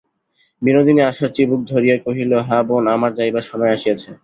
বিনোদিনী আশার চিবুক ধরিয়া কহিল, হাঁ বোন, আমার যাইবার সময় আসিয়াছে।